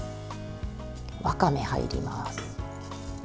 わかめ入ります。